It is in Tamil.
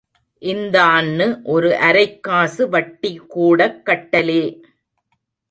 இந்தான்னு ஒரு அரைக்காசு வட்டி கூடக் கட்டலே.